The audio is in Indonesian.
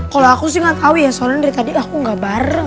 kalau aku sih nggak tahu ya soalnya dari tadi aku gak bareng